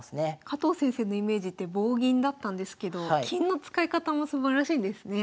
加藤先生のイメージって棒銀だったんですけど金の使い方もすばらしいですね。